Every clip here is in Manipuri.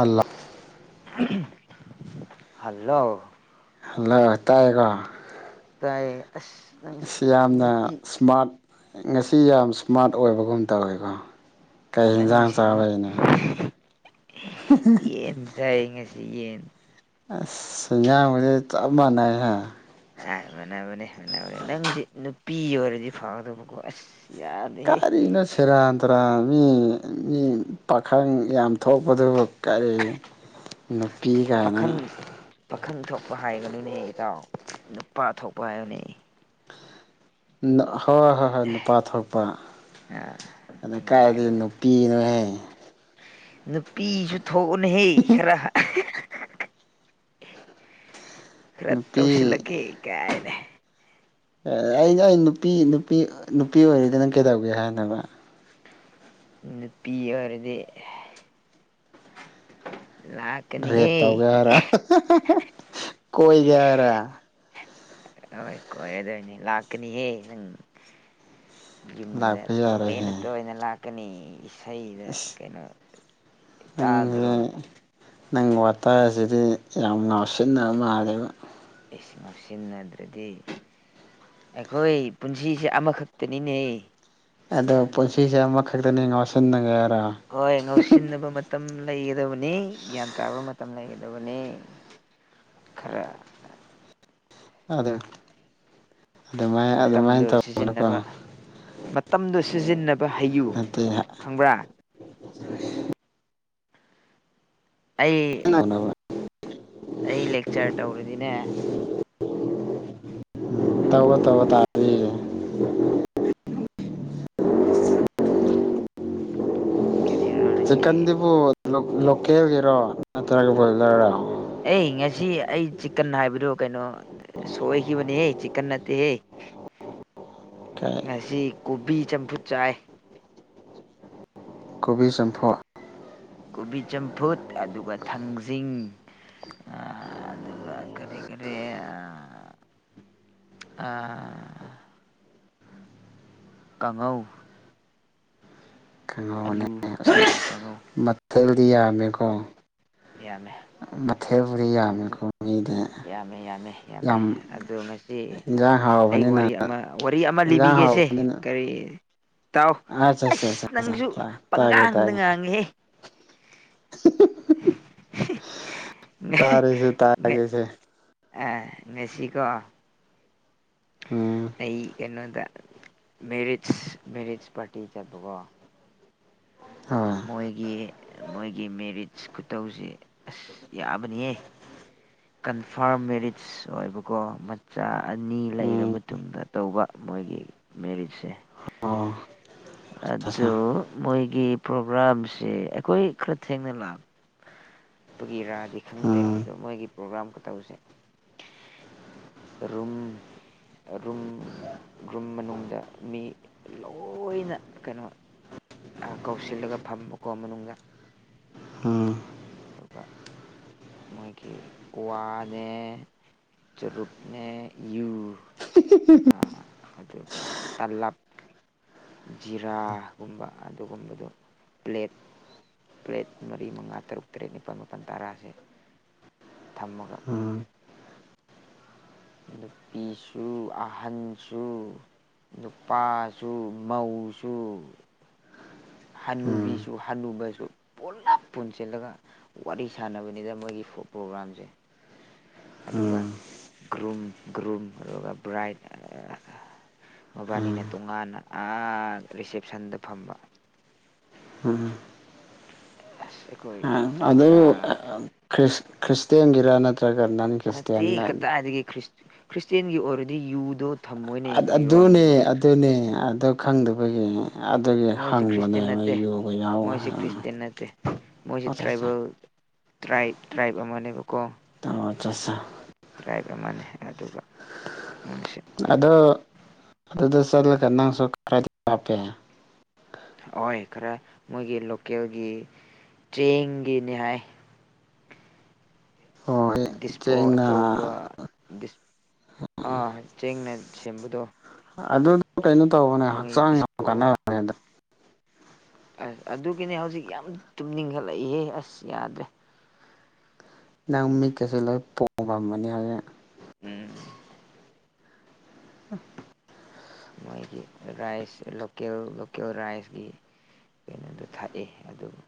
ꯑꯜꯂ ꯍꯜꯂꯣ ꯍꯜꯂꯣ ꯇꯑꯒꯣ ꯇꯥꯏꯌꯦ ꯑꯁ ꯅꯪ ꯌꯥꯝꯅ ꯅꯨꯄꯤ ꯏꯁꯃꯥꯔꯠ ꯉꯁꯤ ꯌꯥꯝ ꯏꯁꯃꯥꯔꯠ ꯑꯣꯏꯕꯒꯨꯝ ꯇꯧꯋꯦꯀꯣ ꯀꯩ ꯌꯦꯟꯖꯥꯡ ꯅꯪꯁꯤ ꯆꯥꯕꯩꯅꯣ ꯌꯦꯟ ꯆ ꯌꯦꯉꯁꯤ ꯌꯦꯟ ꯑꯁ ꯌꯥ ꯃ ꯆꯞꯃꯅ ꯍꯥꯏ ꯑ ꯃꯥꯟꯅꯕꯅꯦ ꯃꯥꯟꯅꯕꯅꯦ ꯅꯪꯁ ꯅꯨꯄꯤ ꯑꯣꯏꯔꯗꯤ ꯐꯥꯎꯒꯗꯕꯀꯣ ꯑꯁ ꯌꯥꯗꯦꯍꯦ ꯀꯥꯔꯤꯅ ꯁꯦꯔ ꯇꯔꯥ ꯃꯤ ꯃꯤ ꯄꯥꯈꯪ ꯌꯥꯝ ꯊꯣꯛꯄꯗꯨꯕꯨ ꯀꯔꯤ ꯅꯨꯄꯤ ꯀꯥꯏꯅ ꯄ ꯍꯥꯏꯒꯅꯨꯅꯦꯍ ꯏꯇꯥꯎ ꯅꯨꯄꯥ ꯊꯣꯛꯄ ꯍꯥꯏꯌꯨꯅꯦꯍ ꯑꯩ ꯑ ꯍꯣꯏ ꯍꯣꯏ ꯍꯣꯏ ꯍꯣꯏ ꯅꯨꯄꯥ ꯊꯣꯛꯄ ꯑꯥ ꯑꯗꯩ ꯀꯥꯏꯗꯤ ꯅꯨꯡꯉꯥꯏꯒꯗꯕꯅꯤ ꯅꯨꯄꯤꯅꯣꯍꯦ ꯅꯨꯄꯤꯁꯨ ꯊꯣꯛꯎꯅꯍꯦ ꯈꯔ ꯈꯔ ꯅꯨꯄꯤ ꯇꯧꯁꯤꯜꯂꯒꯦ ꯀꯥꯏꯅꯦ ꯑꯩꯅ ꯑꯩ ꯅꯨꯄꯤ ꯅꯨꯄꯤ ꯅꯨꯄꯤ ꯑꯣꯏꯔꯤꯗꯅꯪ ꯀꯩꯗꯧꯒꯦ ꯍꯥꯏꯅꯕ ꯅꯨꯄꯤꯄꯤ ꯑꯣꯏꯔꯗꯤ ꯔꯦ ꯂꯥꯛꯀꯅꯤꯍꯦ ꯇꯧꯒ ꯍꯔ ꯀꯣꯏꯒ ꯍꯔ ꯍꯣꯏ ꯀꯣꯏ ꯑꯗꯨ ꯑꯣꯏꯅꯦ ꯂꯥꯛꯀꯅꯤꯍꯦ ꯅꯪ ꯌꯨꯝꯗ ꯂꯥꯛꯄ ꯇꯣꯏꯅ ꯌꯥꯔꯣꯏꯍꯦ ꯇꯣꯏꯅ ꯂꯥꯛꯀꯅꯤ ꯏꯁꯩꯗ ꯑꯁ ꯀꯩꯅꯣ ꯏ ꯇꯗ꯭ꯔꯣ ꯅꯪꯁꯦ ꯅꯪ ꯋꯥꯇꯥ ꯑꯁꯤꯗꯤ ꯌꯥꯝ ꯉꯥꯎꯁꯤꯟꯅꯕ ꯃꯥꯜꯂꯦꯕ ꯑꯩꯁꯤꯡ ꯉꯞꯁꯤꯟꯅꯗ꯭ꯔꯗꯤ ꯑꯩꯈꯣꯏ ꯄꯨꯟꯁꯤꯁꯦ ꯑꯃꯈꯛꯇꯅꯤꯅꯦ ꯑꯗꯣ ꯄꯨꯟꯁꯤꯁꯦ ꯑꯃꯈꯛꯇꯅꯤ ꯉꯥꯎꯁꯤꯟꯅꯉꯦ ꯍꯣꯏ ꯉꯥꯎꯁꯤꯟꯅꯕ ꯃꯇꯝ ꯂꯩꯒꯗꯕꯅꯤ ꯒ꯭ꯌꯥꯟ ꯇꯥꯕ ꯃꯇꯝ ꯂꯩꯒꯗꯕꯅꯤ ꯈꯔꯦ ꯑꯗꯦ ꯃꯇꯝꯗꯨ ꯁꯤꯖꯤꯟꯅꯕ ꯃꯇꯝꯗꯨ ꯁꯤꯖꯤꯟꯅꯕ ꯍꯩꯌꯨ ꯅꯠꯇꯦ ꯈꯪꯕ꯭ꯔꯥ [inaudible] ꯑꯩ ꯑꯩ ꯂꯦꯛꯆꯔ ꯇꯧꯔꯗꯤꯅꯦ ꯅꯪ ꯇꯋ ꯇꯋꯥ ꯇꯥꯔ ꯀꯦꯔꯤꯌꯔ ꯂ ꯅꯪꯒꯤ ꯆꯤꯛꯀꯟꯗꯨꯕꯨ ꯂꯣꯀꯦꯜꯒꯤꯔꯣ ꯅꯠꯇ꯭ꯔꯒ ꯕꯣꯏꯖꯔꯔꯣ ꯑꯩ ꯉꯁꯤ ꯑꯩ ꯆꯤꯛꯀꯟ ꯍꯥꯏꯕꯗꯣ ꯀꯩꯅꯣ ꯁꯣꯏꯈꯤꯕꯅꯦꯍꯦ ꯆꯤꯛꯀꯟ ꯅꯠꯇꯦꯍꯦ ꯀꯩ ꯉꯁꯤ ꯀꯣꯕꯤ ꯆꯝꯐꯨꯠ ꯆꯥꯏ ꯀꯣꯕꯤ ꯆꯝꯐꯨ ꯀꯣꯕꯤ ꯆꯝꯐꯨꯠ ꯑꯗꯨꯒ ꯊꯥꯡꯖꯤꯡ ꯑꯗꯨꯒ ꯀꯔꯤ ꯀꯔꯤ ꯑꯥ ꯀꯥꯡꯉꯧ ꯀꯥꯡꯍꯧꯅꯦ ꯑꯂꯨ ꯑꯂꯨ ꯀꯥꯡꯉꯧ ꯃꯊꯦꯜꯗꯤ ꯌꯥꯝꯃꯦꯀꯣ ꯌꯥꯃꯦ ꯃꯊꯦꯜꯕꯨꯔꯤ ꯌꯥꯝꯃꯤꯀꯣ ꯃꯤꯗ ꯌꯥꯝꯃꯦ ꯌꯥꯝꯃꯦ ꯌꯥꯝꯃꯦ ꯌꯥꯝ ꯑꯗꯣ ꯉꯁꯤ ꯏꯟꯖꯥꯡ ꯍꯥ ꯑꯩ ꯋꯥꯔꯤ ꯑꯃ ꯋꯥꯔꯤ ꯑꯃ ꯂꯤꯕꯤꯒꯦꯁꯦ ꯍꯥꯎꯕꯅꯤꯅ ꯀꯔꯤ ꯇꯥꯎ ꯑꯆꯥ ꯑꯆꯥ ꯑꯁ ꯅꯪꯁꯨ ꯑꯆꯥ ꯇꯥꯒꯦ ꯄꯪꯉꯥꯡꯗ ꯇꯥꯒꯦ ꯉꯥꯡꯉꯦꯍꯦ [inaudible] ꯇꯥꯔꯦꯁꯦ ꯇꯥꯒꯦꯁ ꯃꯦꯛꯦꯛꯁꯤꯀꯣ ꯎꯝ ꯑꯩ ꯀꯩꯅꯣꯗ ꯃꯦꯔꯤꯖ ꯃꯦꯔꯤꯠꯖ ꯄꯥꯔꯇꯤ ꯆꯠꯄꯀꯣ ꯍꯣꯏ ꯃꯣꯏꯒꯤ ꯃꯣꯏꯒꯤ ꯃꯦꯔꯤꯠꯁ ꯈꯨꯇꯧꯁꯦ ꯑꯁ ꯌꯥꯕꯅꯤꯌꯦ ꯀꯟꯐꯥꯔꯝ ꯃꯦꯔꯤꯠ ꯑꯣꯏꯕꯀꯣ ꯃꯆꯥ ꯑꯅꯤ ꯂꯩꯔꯕ ꯎꯝ ꯃꯇꯨꯡꯗ ꯇꯧꯕ ꯃꯣꯏꯒꯤ ꯃꯦꯔꯤꯠꯁꯦ ꯑꯣ ꯑꯗꯨ ꯑꯆꯥ ꯃꯣꯏꯒꯤ ꯄ꯭ꯔꯣꯒ꯭ꯔꯥꯝꯁꯦ ꯑꯩꯈꯣꯏ ꯈꯔ ꯊꯦꯡꯅ ꯂꯥꯛ ꯒꯤ ꯔꯥꯗꯤ ꯈꯪꯗꯦ ꯎꯝ ꯑꯗꯣ ꯃꯣꯏꯒꯤ ꯄ꯭ꯔꯣꯒ꯭ꯔꯥꯝꯒ ꯇꯧꯁꯦ ꯔꯨꯝ ꯔꯨꯝ ꯔꯨꯝ ꯃꯅꯨꯡꯗ ꯃꯤ ꯂꯣꯏꯅ ꯀꯩꯅꯣ ꯀꯧꯁꯤꯜꯂꯒ ꯐꯝꯕꯀꯣ ꯃꯅꯨꯡꯗ ꯎꯝ ꯑꯗꯨꯒ ꯃꯣꯏꯒꯤ ꯀꯋꯥꯅꯦ ꯆꯔꯨꯛꯅꯦ ꯌꯨ ꯑꯗꯨꯒ ꯇꯥꯂꯥꯞ ꯖꯤꯔꯥꯒꯨꯝꯕ ꯑꯗꯨꯒꯨꯝꯕꯗꯨꯣ ꯄ꯭ꯂꯦꯠ ꯇꯔꯦꯠ ꯃꯔꯤ ꯃꯉꯥ ꯇꯔꯨꯛ ꯇꯔꯦꯠ ꯅꯤꯄꯥꯜ ꯃꯥꯄꯜ ꯇꯔꯥꯥꯁꯦ ꯑ ꯅꯨꯄꯤꯁꯨ ꯑꯍꯟꯁꯨ ꯑꯄꯥꯁꯨ ꯃꯧꯁꯨ ꯎꯝ ꯍꯜꯂꯨꯕꯤꯁꯨ ꯍꯜꯂꯨꯕꯁꯨ ꯄꯨꯂꯞ ꯄꯨꯟꯁꯤꯜꯂꯒ ꯋꯥꯔꯤ ꯁꯥꯟꯅꯕꯅꯤꯗ ꯃꯣꯏꯒꯤ ꯄ꯭ꯔꯣꯒꯒꯥꯝꯁꯦ ꯑꯗꯨꯒ ꯎꯝ ꯒ꯭ꯔꯨꯝ ꯒ꯭ꯔꯨꯝ ꯑꯗꯨꯒ ꯕ꯭ꯔꯥꯏꯠ ꯃꯕꯥꯅꯤꯅ ꯇꯣꯉꯥꯟꯅ ꯔꯤꯁꯦꯞꯁꯟꯗ ꯐꯝꯕ ꯎꯝ ꯑ ꯑꯗꯨ ꯈ꯭ꯔꯤꯁꯇꯦꯟꯒꯤꯔ ꯅꯠꯇ꯭ꯔ ꯆꯒꯔ ꯅꯟ ꯀꯁꯇ ꯅꯠꯇꯦ ꯑ ꯀꯗꯥꯏꯗꯒꯤ ꯈ꯭ꯔꯤꯁꯇꯦꯟꯒꯤ ꯑꯣꯏꯔꯗꯤ ꯌꯨꯗꯣ ꯊꯝꯃꯣꯏꯅꯦ ꯀꯔꯤꯔꯣ ꯑꯗꯨꯅꯦ ꯅꯪꯁꯨ ꯑꯁ ꯑꯗꯨꯅꯦ ꯑ ꯈꯪꯗꯕꯒꯤ ꯑꯗꯨꯗꯒꯤ ꯃꯣꯏꯁꯦ ꯈ꯭ꯔꯤꯁꯇꯦꯟ ꯍꯪꯕꯅꯦꯕꯣꯏ ꯅꯠꯇꯦ ꯌꯣꯒ ꯌꯥꯎꯋ ꯃꯣꯏꯁꯦ ꯈ꯭ꯔꯤꯁꯇꯦꯟ ꯅꯠꯇꯦ ꯃꯣꯏꯁꯦ ꯇ꯭ꯔꯥꯏꯕꯦꯜ ꯇ꯭ꯔ ꯇ꯭ꯔꯥꯏꯕ ꯑꯃꯅꯦꯕꯀꯣ ꯑꯣꯆꯥꯠ ꯇ꯭ꯔꯥꯏꯕ ꯑꯃꯅꯤ ꯑꯗꯨꯒꯣꯏ ꯑꯗꯣ ꯑꯗꯨꯗ ꯆꯠꯂꯒ ꯅꯪꯁꯨ ꯈꯔꯗꯤ ꯍꯥꯞꯄꯦ ꯑꯣꯏ ꯈꯔ ꯃꯣꯏꯒꯤ ꯂꯣꯀꯦꯜꯒꯤ ꯆꯦꯡꯒꯤꯅꯤ ꯍꯥꯏ ꯍꯣꯏ ꯗꯤꯁꯄꯣ ꯆꯦꯡꯅ ꯑꯆꯧꯕ ꯑꯥ ꯆꯦꯡꯅ ꯁꯦꯝꯕꯗꯣ ꯑꯗꯨꯗꯣ ꯀꯩꯅꯣ ꯇꯧꯕꯅꯦ ꯃꯣꯏ ꯍꯛꯆꯥꯡ ꯌꯥꯝ ꯗꯤꯁꯄꯣ ꯀꯥꯟꯔꯅꯦꯗ ꯑꯁ ꯑꯗꯨꯒꯤꯅꯦ ꯍꯧꯖꯤꯛ ꯌꯥꯝ ꯇꯨꯝꯅꯤꯡꯈꯠꯂꯛꯏꯍꯦ ꯑꯁ ꯌꯥꯗ꯭ꯔꯦ ꯅꯪ ꯃꯤ ꯀꯩꯁꯦ ꯂꯣꯏ ꯄꯣꯐꯝꯝꯕꯅꯤ ꯍꯧꯖꯤꯦ ꯎꯝ ꯑ ꯃꯣꯏꯒꯤ ꯔꯥꯏꯁ ꯂꯣꯦꯜ ꯂꯣꯀꯦꯜ ꯔꯥꯏꯁꯀꯤ ꯀꯩꯅꯣꯗꯣ ꯊꯥꯛꯑꯦ ꯑꯗꯨꯕꯨ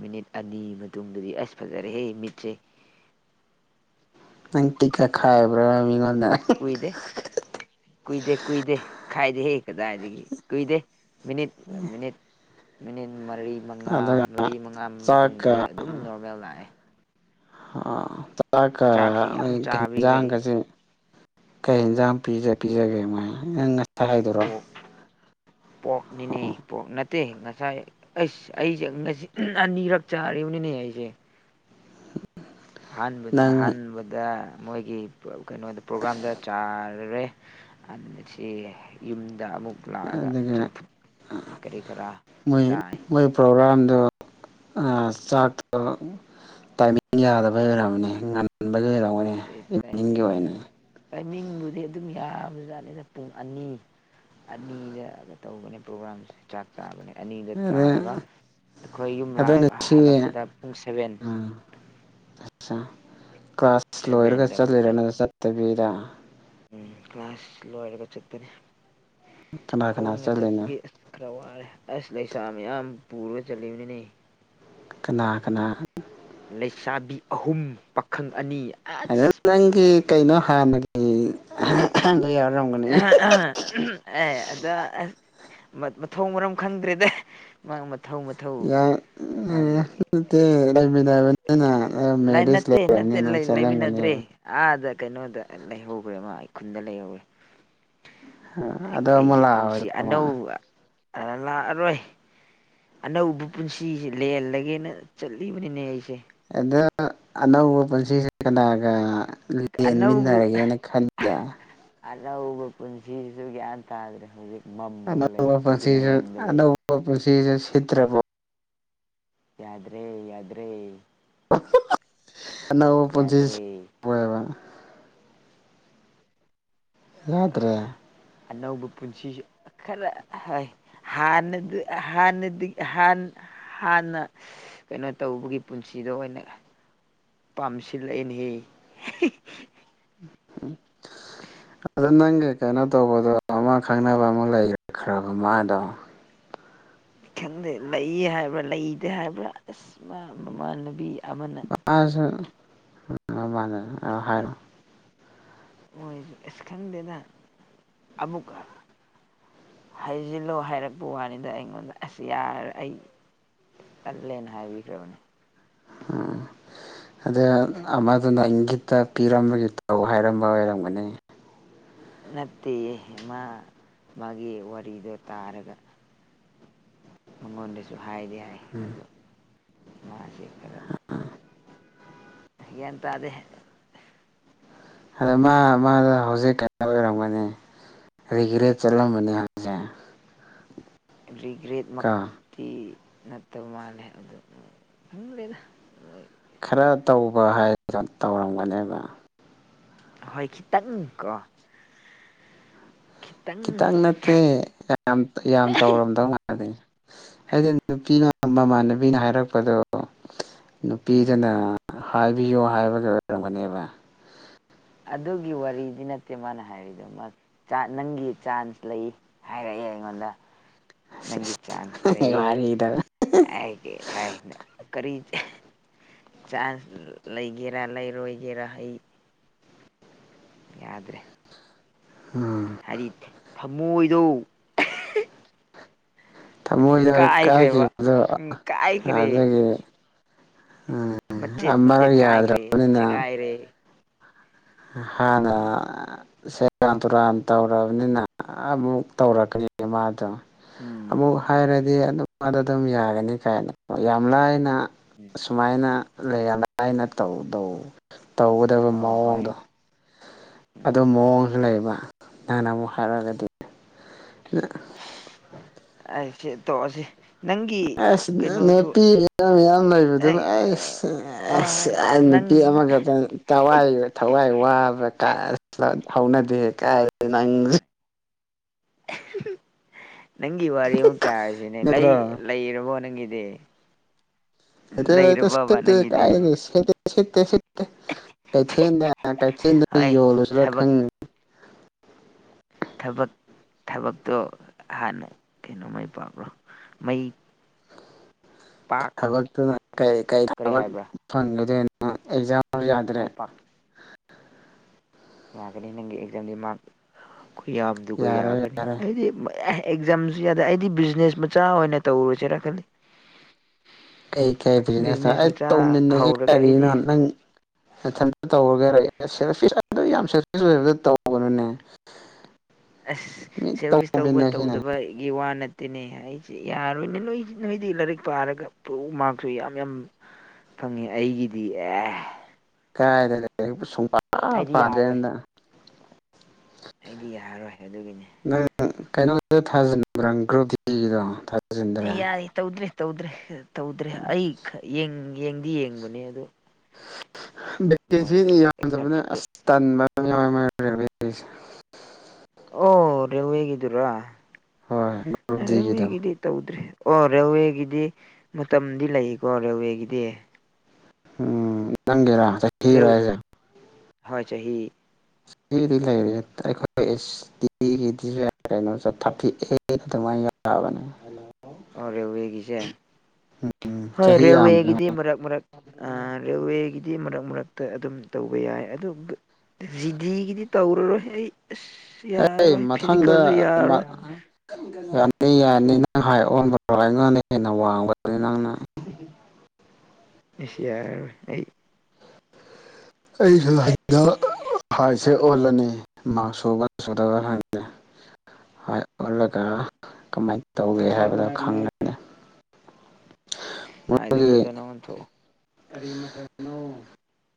ꯃꯤꯅꯤꯠ ꯑꯅꯤ ꯃꯇꯨꯡꯗꯗꯤ ꯑꯁ ꯐꯖꯔꯦꯍꯦ ꯃꯤꯠꯁꯦ ꯅꯪ ꯇꯤꯀꯥ ꯈꯥꯏꯕ꯭ꯔ ꯃꯤ ꯀꯨꯏꯗꯦ ꯀꯨꯏꯗꯦ ꯀꯨꯏꯗꯦ ꯈꯥꯏꯗꯦ ꯍꯦꯛ ꯀꯗꯥꯏꯗꯒꯤ ꯀꯨꯏꯗꯦ ꯃꯤꯅꯤꯠ ꯃꯤꯅꯤꯠ ꯃꯤꯅꯤꯠ ꯃꯔꯤ ꯃꯉꯥ ꯑꯗꯨꯒ ꯃꯔꯤ ꯃꯉꯥ ꯃꯇꯨꯡꯗꯗꯤ ꯆꯥꯛꯀ ꯑꯗꯨꯝ ꯅꯣꯔꯃꯦꯜ ꯂꯥꯛꯑꯦ ꯑ ꯆꯥꯛꯀ ꯆꯥꯛꯁꯤ ꯌꯥꯝ ꯅꯣꯏ ꯆꯥꯕꯤꯈ꯭ꯔꯦ ꯑꯩ ꯍꯤꯟꯖꯥꯡꯒꯁꯦ ꯀꯩ ꯌꯦꯟꯖꯥꯡ ꯄꯤꯖꯒꯦꯃꯥꯏꯅ ꯅꯪ ꯉꯁ ꯍꯥꯏꯗꯔꯣ ꯑꯣꯛ ꯄꯣꯛꯅꯤꯅꯦ ꯄꯣꯛ ꯅ ꯠꯇꯦ ꯉꯁꯥꯏ ꯑꯁ ꯑꯩꯁꯦ ꯉꯁꯤ ꯑꯅꯤꯔꯛ ꯆꯥꯔꯤꯕꯅꯤꯅꯦ ꯑꯩꯁꯦ ꯑꯍꯥꯟꯕꯗ ꯅꯪ ꯑꯍꯥꯟꯕꯗ ꯃꯣꯏꯒꯤ ꯀꯩꯅꯣꯗ ꯄ꯭ꯔꯣꯒ꯭ꯔꯥꯝꯗ ꯆꯥꯔꯔꯦ ꯁꯤ ꯌꯨꯝ ꯗ ꯑꯃꯨꯛ ꯂꯥꯛꯑꯒ ꯑꯗꯨꯒ ꯆꯝꯐꯨ ꯀꯔꯤ ꯀꯔꯥ ꯃꯣꯏ ꯆꯥꯏ ꯃꯣꯏ ꯄ꯭ꯔꯣꯒ꯭ꯔꯥꯝꯗꯣ ꯆꯥꯛꯇꯣ ꯇꯥꯏꯃꯤꯡ ꯌꯥꯗꯕꯩ ꯑꯣꯏꯔꯝꯕꯅꯦ ꯉ ꯑꯗꯨ ꯂꯩꯔꯝꯒꯅꯤꯅꯤꯡꯒꯤ ꯑꯣꯏꯅ ꯇꯥꯏꯃꯤꯡ ꯇꯥꯏꯃꯤꯡꯕꯨꯗꯤ ꯑꯗꯨꯝ ꯌꯥꯝꯕꯁꯨꯖꯥꯠꯅꯤꯗ ꯄꯨꯡ ꯑꯅꯤ ꯑꯅꯤꯗ ꯇꯧꯕꯅꯦ ꯄ꯭ꯔꯣꯒ꯭ꯔꯥꯝꯁ ꯆꯥꯛ ꯆꯥꯕꯅꯦ ꯑꯅꯤꯗ ꯑꯗ ꯇꯥꯔꯒ ꯑꯩꯈꯣꯏ ꯌꯨꯝ ꯑꯗꯨ ꯍꯜꯂꯛꯄꯗ ꯄꯨꯡ ꯁꯕꯦꯟ ꯑ ꯀ꯭ꯂꯥꯁ ꯂꯣꯏꯔꯒ ꯁꯚꯦꯟꯗ ꯑꯃꯨꯛ ꯆꯥꯏ ꯆꯠꯂꯤꯔꯅ ꯆꯠꯇꯕꯤꯔ ꯎꯝ ꯀ꯭ꯂꯥꯁ ꯂꯣꯏꯔꯒ ꯆꯄꯅꯤ ꯀꯅꯥ ꯀꯅꯥ ꯈꯣꯡꯅ ꯆꯠꯂꯤꯅꯣ ꯆꯠꯄꯒꯤ ꯑꯁ ꯈꯔ ꯋꯥꯔꯦ ꯑꯁ ꯂꯩꯁꯥ ꯃꯌꯥꯝ ꯄꯨꯔꯒ ꯆꯠꯕꯅꯤꯅꯦ ꯀꯅꯥ ꯀꯅꯥ ꯂꯩꯁꯥꯕꯤ ꯑꯍꯨꯝ ꯄꯥꯈꯪ ꯑꯅꯤ ꯑꯗꯨ ꯑꯁ ꯅꯪꯒꯤ ꯀꯩꯅꯣ ꯍꯥꯟꯅꯒꯤ ꯌꯥꯎꯔꯝꯒꯅꯤ ꯑꯦ ꯑꯗ ꯑꯁ ꯃꯊꯣꯡ ꯃꯔꯝ ꯈꯪꯗ꯭ꯔꯦꯗ ꯃꯊꯧ ꯃꯊꯧ ꯃꯥꯒꯤ ꯌꯥꯃꯤꯗꯥ ꯃꯦꯔꯤ ꯑꯦ ꯂꯩꯃꯤꯟꯅꯗ꯭ꯔꯦ ꯑꯥꯗ ꯀꯩꯅꯣꯗ ꯂꯩꯍꯧꯧꯕ꯭ꯔꯦ ꯃꯥ ꯑꯩ ꯈꯨꯟꯗ ꯂꯩꯍꯧꯋꯦ ꯑꯗꯣ ꯑꯃꯨꯛ ꯑꯩꯁꯦ ꯄꯨꯟꯁꯤ ꯂꯥꯛꯑꯣꯏꯗꯕ ꯑꯅꯧꯕ ꯂꯥꯛꯑꯔꯣꯏ ꯑꯅꯧꯕ ꯄꯨꯟꯁꯤꯁꯦ ꯂꯍꯦꯜꯂꯒꯦꯅ ꯆꯠꯂꯤꯕꯅꯤꯅꯦ ꯑꯩꯁꯦ ꯑꯗꯣ ꯑꯅꯧꯕ ꯄꯨꯟꯁꯤꯁꯤꯦ ꯀꯅꯥꯒ ꯂꯦꯟꯃꯤꯟꯅꯔꯒꯦꯅ ꯈꯟꯂꯂꯦ ꯑꯔꯧꯕ ꯄꯨꯟꯁꯤꯁꯨ ꯒ꯭ꯌꯥꯟ ꯇꯥꯗ꯭ꯔꯦ ꯍꯧꯖꯤꯛ ꯃꯝꯃꯒ ꯂꯩ ꯑꯅꯧꯕ ꯄꯨꯟꯁꯤꯁꯨ ꯕ꯭ꯂꯦꯡꯗ ꯂꯩ ꯑꯅꯧꯕ ꯄꯨꯟꯁꯤꯁꯨ ꯁꯤꯠꯇ꯭ꯔꯕꯣ ꯌꯥꯗ꯭ꯔꯦ ꯌꯥꯗ꯭ꯔꯦ ꯍꯩꯅ ꯄꯆ ꯌꯥꯗ꯭ꯔꯦ ꯄꯦꯕ ꯌꯥꯗ꯭ꯔ ꯑꯅꯧꯕ ꯄꯨꯟꯁꯤꯁꯨ ꯈꯔ ꯍꯥꯏ ꯍꯅ ꯍꯥꯟꯅꯗꯤ ꯍꯥꯟꯅ ꯀꯩꯅꯣ ꯇꯧꯕꯒꯤ ꯄꯨꯟꯁꯤ ꯁꯤꯗ ꯑꯣꯏꯅ ꯄꯥꯝꯁꯤꯜꯂꯛꯑꯦꯅꯦꯍꯦ ꯎꯝ ꯑꯗꯣ ꯅꯪꯒꯤ ꯀꯩꯅꯣ ꯇꯧꯕꯗꯣ ꯑꯃ ꯈꯪꯅꯕ ꯑꯃ ꯂꯩꯈ꯭ꯔꯦꯈ꯭ꯔꯕ ꯃꯥꯗꯣ ꯈꯪꯗꯦ ꯂꯩ ꯍꯥꯏꯕ꯭ꯔꯥ ꯂꯩꯗꯦ ꯍꯥꯏꯕ꯭ꯔꯥ ꯑꯁ ꯃꯃꯥꯟꯅꯕꯤ ꯑꯃꯅ ꯑꯁ ꯑ ꯍꯥꯏꯔꯣ ꯈꯣꯏ ꯏꯁꯁꯀꯔꯗꯅ [inaudible] ꯑꯕꯣꯛ ꯀ ꯍꯩꯖꯤꯜꯂꯣ ꯍꯥꯏꯔꯛꯄ ꯋꯥꯅꯤꯗ ꯑꯩꯉꯣꯟꯗ ꯑꯁ ꯌꯥꯔ ꯑꯩ ꯇꯠꯂꯦꯅ ꯍꯥꯏꯕꯤꯈ꯭ꯔꯕꯅꯤ ꯎꯝ ꯑꯗ ꯑꯃꯗꯨꯅ ꯑꯩꯒꯤꯇ ꯄꯤꯔꯝꯕꯒꯤ ꯇꯧ ꯍꯥꯏꯔꯝꯕ ꯑꯣꯏꯔꯝꯒꯅꯤ ꯅꯠꯇꯦꯌꯦ ꯃꯥ ꯃꯥꯒꯤ ꯋꯥꯔꯤꯗꯣ ꯇꯥꯔꯒ ꯃꯉꯣꯔꯤ ꯁꯨꯍ ꯍꯥꯏꯗ ꯎꯝ ꯃꯥ ꯆꯠ ꯈꯔ ꯌꯦꯟꯇꯥꯗ ꯑꯗ ꯃꯥ ꯃꯥꯗ ꯍꯧꯖꯤꯛ ꯀꯩꯅ ꯑꯣꯏꯔꯝꯒꯅꯤ ꯔꯤꯒ꯭ꯔꯥ ꯆꯠꯂꯝꯃꯅꯤ ꯍꯧꯁꯦ ꯔꯤꯒ꯭ꯔꯦꯠꯃꯛꯇꯤ ꯅꯠꯇꯕ ꯃꯥꯜꯂꯦ ꯑꯗꯨ ꯎ ꯂꯩꯗ ꯈꯔ ꯇꯧꯕ ꯍꯥꯏꯗ ꯇꯧꯔꯝꯒꯅꯦꯕ ꯍꯣꯏ ꯈꯤꯇꯪ ꯀꯣ ꯈꯤꯇꯪ ꯅꯠꯇꯦ ꯌꯥꯝ ꯌꯥꯝ ꯇꯧꯔꯝꯗꯧ ꯑꯩꯗꯤ ꯅꯨꯄꯤꯅ ꯃꯃꯥꯟꯅꯕꯤꯅ ꯍꯥꯏꯔꯛꯄꯗꯣ ꯎꯝ ꯅꯨꯄꯤꯗꯅ ꯍꯥꯏꯕꯤꯌꯣ ꯍꯥꯏꯕꯒꯤ ꯑꯣꯏꯔꯝꯒꯅꯦꯕ ꯑꯗꯨꯒꯤ ꯋꯥꯔꯤꯗꯤ ꯅꯠꯇꯦ ꯃꯥꯅ ꯍꯥꯏꯔꯤꯗꯣ ꯃꯥ ꯅꯪꯒꯤ ꯆꯥꯟꯁ ꯂꯩ ꯍꯥꯏꯔꯛꯏ ꯏꯉꯣꯗ ꯅꯪꯒꯤ ꯆꯥꯥꯟꯁ ꯂꯩ ꯋꯥꯔꯤꯗꯣ ꯍꯦ ꯈꯔꯤ ꯆꯥꯟꯁ ꯂꯩꯒꯦꯔꯥ ꯂꯩꯔꯣꯏꯒꯦꯔꯥ ꯑꯩ ꯌꯥꯗ꯭ꯔꯦ ꯑꯝ ꯍꯥꯏꯗꯤ ꯊꯃꯣꯏꯗꯣ ꯊꯃꯣꯏꯗ ꯀꯥꯏꯈ꯭ꯔꯦꯕ ꯀꯥꯏꯈꯤꯕꯗꯣ ꯎꯝ ꯀꯥꯏꯈ꯭ꯔꯦ ꯑꯗꯒꯤ ꯃꯆꯦꯠ ꯃꯆꯦꯠ ꯀꯥꯏꯈ꯭ꯔꯦ ꯌꯥꯗ꯭ꯔꯕꯅꯤꯅ ꯁꯦꯒꯥꯏꯔꯦ ꯍꯅꯥ ꯁꯦꯔꯥꯟ ꯇꯨꯔꯥꯟ ꯇꯧꯔꯕꯅꯤꯅ ꯑꯃꯨꯛ ꯇꯧꯔꯛꯀꯅꯤ ꯃꯥꯗꯣ ꯎꯝ ꯑꯃꯨꯛ ꯍꯥꯏꯔꯗꯤ ꯑꯗꯨ ꯃꯥꯗ ꯑꯗꯨꯝ ꯌꯥꯒꯅꯤ ꯀꯥꯏꯅ ꯌꯥꯝ ꯂꯥꯏꯅ ꯁꯨꯃꯥꯏꯅ ꯂꯩꯑꯥꯏꯅꯧ ꯇꯧꯒꯗꯕ ꯑꯣ ꯍꯣꯏ ꯃꯑꯣꯡꯗꯣ ꯑꯗꯨ ꯃꯑꯣꯡꯁꯨ ꯂꯩꯕ ꯅꯪꯅ ꯑꯃꯨꯛ ꯍꯥꯏꯔꯛꯒꯗꯤ ꯑ [inaudible] ꯁꯦ ꯇꯣꯑꯁꯤ ꯑꯁ ꯅꯨꯄꯤ ꯌꯥꯝꯌꯥꯝ ꯂꯩꯕ ꯑꯗꯨ ꯑꯩꯁ ꯑꯩ ꯑꯁ ꯅꯪ ꯅꯨꯄꯤ ꯑꯃꯈꯛꯇꯪ ꯇꯋꯥꯏ ꯊꯋꯥꯏ ꯋꯥꯕ ꯀꯥꯁꯂ ꯍꯧꯅꯗꯦ ꯀꯥꯏ ꯅꯪ ꯅꯪꯒꯤ ꯋꯥꯔꯤ ꯑꯃꯨꯛ ꯇꯥꯔꯤꯁꯤꯅꯦ ꯂꯩ ꯅꯠꯇ꯭ꯔꯣ ꯂꯩꯔꯕꯣ ꯅꯪꯒꯤꯗꯤ ꯍꯇꯦꯇ ꯂꯩꯔꯕꯕ ꯅꯪꯒꯤꯗꯤ ꯀꯥꯏꯦꯇ [inaudible] ꯁꯤꯠꯇꯦ ꯁꯤꯠꯇꯦ ꯀꯩꯊꯦꯟꯗ ꯀꯩꯊꯦꯜꯗ ꯍꯣꯏ ꯌꯣꯜꯂꯨꯁꯤꯔ ꯊꯕꯛ ꯈꯪꯉ ꯊꯕꯛ ꯊꯕꯛꯇꯣ ꯍꯥꯟꯅ ꯀꯩꯅꯣꯃꯥꯏ ꯄꯥꯛꯄ꯭ꯔꯣ ꯃꯩ ꯄꯥꯛ ꯊꯕꯛꯇꯨ ꯀꯩ ꯀꯔꯤ ꯊꯕꯛ ꯐꯪꯒꯗꯣꯏꯅꯣꯥ ꯑꯦꯖꯝ ꯌꯥꯗ꯭ꯔꯦ ꯃꯥꯏ ꯄꯥꯛ ꯌꯥꯒꯅꯤ ꯅꯪꯒꯤ ꯑꯦꯛꯖꯥꯝꯗꯤ ꯃꯥꯔꯛ ꯑꯩ ꯌꯥꯕꯗꯨꯒ ꯌꯥꯔꯣꯏ ꯌꯥꯒꯅꯤ ꯌꯥꯔꯣꯏ ꯑꯩꯗꯤ ꯑꯦ ꯑꯦꯛꯖꯥꯝꯁꯨ ꯌꯥꯗꯦ ꯑꯩꯗꯤ ꯕꯤꯖꯤꯅꯦꯁ ꯃꯆꯥ ꯑꯣꯏꯅ ꯇꯧꯔꯨꯁꯤꯔꯀꯜꯂꯤ ꯑꯩ ꯀꯩ ꯕꯤꯖꯤꯅꯦꯁꯇ ꯑꯩ ꯇꯧꯃꯤꯟꯅ ꯍꯧꯔꯒ ꯑꯩꯗꯤ ꯀꯔꯤꯅꯣ ꯅꯪ ꯊꯟꯇ ꯇꯧꯔꯒꯦ ꯌꯥꯝ ꯑꯣꯏꯕ ꯇꯧꯒꯅꯨꯅꯦ ꯑꯁ ꯃꯤ ꯁꯦꯜ ꯑꯣꯐꯤꯁ ꯇꯧꯕ ꯇꯧꯃꯤꯟꯅꯁꯤꯅꯦ ꯇꯧꯗꯕꯒꯤ ꯋꯥ ꯅ ꯇꯤꯅꯦ ꯑꯩꯁꯦ ꯌꯥꯔꯣꯏꯅꯦ ꯅꯣꯏ ꯅꯣꯏꯗꯤ ꯂꯥꯏꯔꯤꯛ ꯄꯥꯔꯒ ꯄꯨꯛꯎ ꯃꯥꯔꯛꯁꯨ ꯌꯥꯝ ꯌꯥꯝ ꯐꯪꯉꯤ ꯑꯩꯒꯤꯗꯤ ꯑꯦ ꯀꯥꯏꯗ ꯁꯨꯡꯕ ꯑꯩꯗꯤ ꯌꯥꯔꯣꯏ ꯄꯥꯗꯦꯅ ꯑꯩꯗꯤ ꯌꯥꯔꯔꯣꯏ ꯑꯗꯨꯒꯤꯅꯤ ꯀꯩꯅꯣꯗꯨꯗ ꯊꯥꯖꯟꯕ꯭ꯔꯥ ꯒ꯭ꯔꯨꯞꯇꯤꯗꯣ ꯑꯦ ꯌꯥꯏ ꯇꯧꯗ꯭ꯔꯦ ꯇꯧꯗ꯭ꯔꯦ ꯇꯧꯗ꯭ꯔꯦ ꯑꯩ ꯌꯦꯡꯗꯤ ꯌꯦꯡꯕꯅꯦ ꯑꯗꯣ ꯚꯦꯀꯦꯟꯁꯤꯗꯤ ꯌꯥꯝꯗꯕꯅ ꯁꯥꯔꯇꯤꯐꯤꯀꯦꯠ ꯑꯁ ꯇꯟꯕꯁ ꯑꯣ ꯔꯦꯜꯋꯦꯒꯤꯗꯨꯔꯥ ꯍꯣꯏ ꯒ꯭ꯔꯨꯞ ꯗꯤꯒꯤꯗꯣ ꯔꯦꯜꯋꯦꯒꯤꯗꯤ ꯇꯧꯗ꯭ꯔꯔꯤ ꯑꯣ ꯔꯦꯜꯋꯦꯒꯤꯗꯤ ꯃꯇꯝꯗꯤ ꯂꯩꯀꯣ ꯔꯦꯜꯋꯦꯒꯤꯗꯤ ꯎꯝ ꯅꯪꯒꯦꯔ ꯊꯔꯦꯁꯦ ꯍꯥꯏꯣꯏ ꯆꯍꯤ ꯆꯍꯤ ꯁꯤꯗꯤ ꯂꯩꯔꯤꯁꯦ ꯑꯩꯈꯣꯏ ꯑꯦꯁ ꯇꯤꯒꯤ ꯗꯤ ꯀꯩꯅꯣꯁ ꯊꯥꯔꯇꯤ ꯑꯦ ꯑꯗꯨꯃꯥꯏꯅ ꯕꯅꯤ ꯔꯦꯋꯦꯒꯤꯁꯦ ꯎꯝ ꯍꯣꯏ ꯆꯍꯤ ꯌꯥꯝꯕꯅꯦ ꯔꯦꯜꯋꯦꯒꯤꯗꯤ ꯃꯔꯛ ꯃꯔꯛ ꯔꯦꯜꯋꯦꯒꯤꯗꯤ ꯃꯔꯛ ꯃꯔꯛꯇ ꯑꯗꯨꯝ ꯇꯧꯕ ꯌꯥꯏ ꯑꯗꯨꯒ ꯖꯤꯗꯤꯒꯤꯗꯤ ꯇꯧꯔꯔꯣꯏꯍ ꯑꯦ ꯃꯊꯪꯗ ꯌꯥꯔꯔꯣꯏ ꯌꯥꯝꯃꯤꯉꯏ ꯅꯪ ꯍꯥꯏ ꯑꯣꯟꯕ ꯉꯗ ꯍꯦꯟꯅ ꯋꯥꯡꯕꯗꯨꯅꯤ ꯅꯪꯅ ꯅꯨꯡꯁꯤꯌꯥꯔ ꯑꯩ ꯑꯩꯁꯨ ꯍꯗ ꯍꯥꯏꯁꯦ ꯑꯣꯜꯂꯅꯤ ꯃꯍꯥꯛ ꯁꯨꯕ꯭ꯔ ꯁꯨꯗꯕ ꯍꯥꯏꯗꯤ ꯑꯣꯜꯂꯒ ꯀꯃꯥꯏꯅ ꯇꯧꯒꯦ ꯍꯥꯏꯕꯗꯣ ꯈꯪꯒꯅꯤ ꯍꯥꯏꯗ ꯐꯗ ꯅ ꯋꯥꯟ ꯊ ꯀꯔꯤ ꯃꯈꯅꯣ